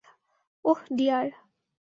ওহ, deer.